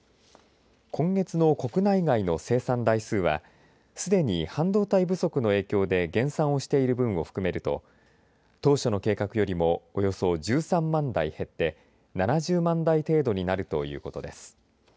今月の国内外の生産台数はすでに半導体不足の影響で減産をしている分を含めると当初の計画よりもおよそ１３万台減って７０万台程度になるということです。